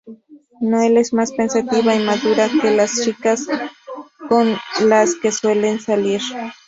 Noel es más pensativa y madura que las chicas con las que suele salir.